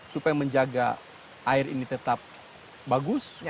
supaya menjaga air ini tetap bagus